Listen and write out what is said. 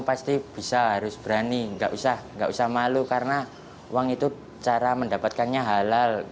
pasti bisa harus berani nggak usah nggak usah malu karena uang itu cara mendapatkannya halal